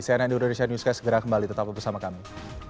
saya nandu dari sian news guys segera kembali tetap bersama kami